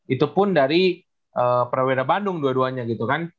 itu pun dari praweda bandung dua duanya gitu kan